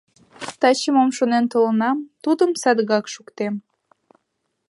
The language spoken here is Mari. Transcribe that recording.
Таче мом шонен толынам, тудым садыгак шуктем.